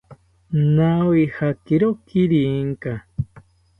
Nawijakiro kirinka